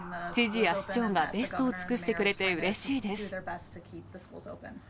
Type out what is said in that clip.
知事や市長がベストを尽くしてくれて、うれしいです。